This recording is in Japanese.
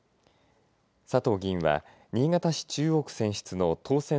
佐藤議員は新潟市中央区選出の当選